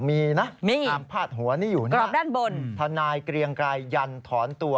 มีนะอามภาษณ์หัวนี้อยู่นะถ้านายเกลียงกลายยันถอนตัว